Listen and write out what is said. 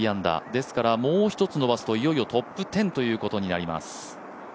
ですからもう一つ伸ばすといよいよトップ１０ということになります。